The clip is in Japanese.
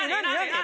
何？